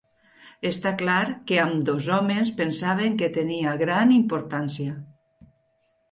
Està clar que ambdós homes pensaven que tenia gran importància.